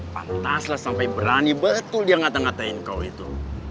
pantas lah sampe berani betul dia ngata ngatain kau itu